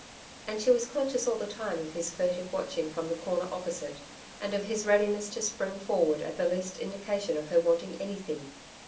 And she was conscious all the time of his furtive watching from the corner opposite, and of his readiness to spring forward at the least indication of her wanting anything.